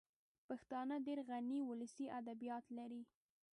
پښتانه ډېر غني ولسي ادبیات لري